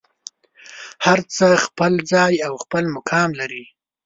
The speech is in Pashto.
هر څه خپل ځای او خپل مقام لري.